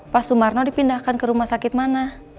pak sumarno dipindahkan ke rumah sakit mana